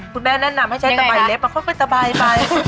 คุณแม่แนะนำให้ใช้ตะใบเล็บค่อยสบายไป